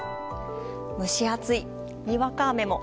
蒸し暑い、にわか雨も。